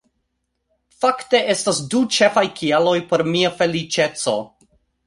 Fakte estas du ĉefaj kialoj por mia feliĉeco